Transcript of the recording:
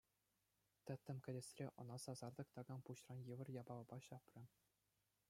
Тӗттӗм кӗтесре ӑна сасартӑк такам пуҫран йывӑр япалапа ҫапрӗ.